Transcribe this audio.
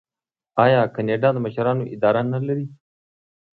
آیا کاناډا د مشرانو اداره نلري؟